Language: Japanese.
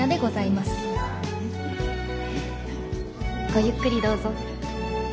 ごゆっくりどうぞ。